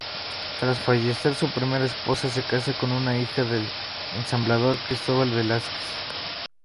Tras fallecer su primera esposa, se casa con una hija del ensamblador Cristóbal Velázquez.